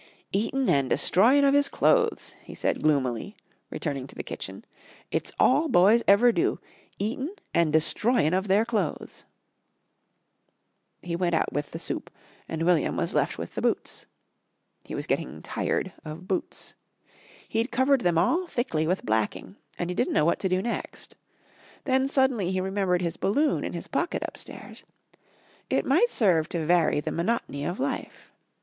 "Eatin' an' destroyin' of 'is clothes," he said gloomily, returning to the kitchen. "It's all boys ever do eatin' an' destroyin' of their clothes." He went out with the soup and William was left with the boots. He was getting tired of boots. He'd covered them all thickly with blacking, and he didn't know what to do next. Then suddenly he remembered his balloon in his pocket upstairs. It might serve to vary the monotony of life.